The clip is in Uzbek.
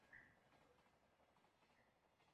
Biroq bu dunyoda sevishni bilgan